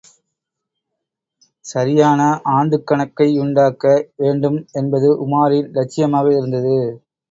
சரியான ஆண்டுக்கணக்கையுண்டாக்க வேண்டும் என்பது உமாரின் இலட்சியமாக இருந்தது.